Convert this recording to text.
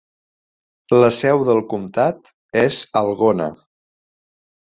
La seu del comtat és Algona.